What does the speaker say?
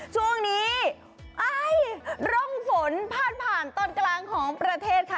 ช่วงนี้ร่องฝนพาดผ่านตอนกลางของประเทศค่ะ